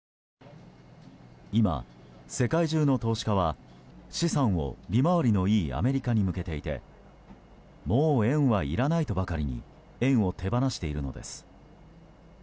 今、世界中の投資家は資産を利回りのいいアメリカに向けていてもう円はいらないとばかりに円を手放しているのです。